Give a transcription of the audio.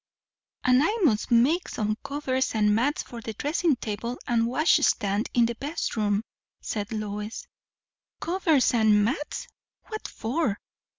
"And I must make some covers and mats for the dressing table and washstand in the best room," said Lois. "Covers and mats! What for?